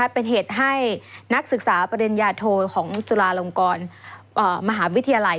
เป็นเหตุให้นักศึกษาปริญญาโทของจุฬาลงกรมหาวิทยาลัย